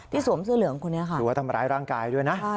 สวมเสื้อเหลืองคนนี้ค่ะหรือว่าทำร้ายร่างกายด้วยนะ